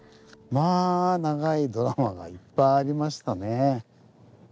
まあ長いドラマがいっぱいありましたね。